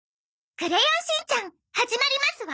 『クレヨンしんちゃん』始まりますわ。